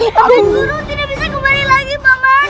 iya guru tidak bisa kembali lagi paman